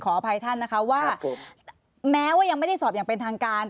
ขออภัยท่านนะคะว่าแม้ว่ายังไม่ได้สอบอย่างเป็นทางการ